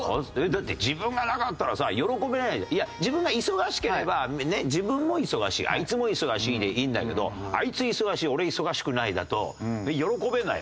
だって自分がなかったらさ喜べないじゃんいや自分が忙しければ自分も忙しいあいつも忙しいでいいんだけどあいつ忙しい俺忙しくないだと喜べないもんな。